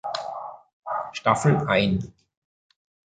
Staffel ein.